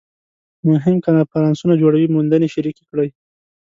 مهم کنفرانسونه جوړوي موندنې شریکې کړي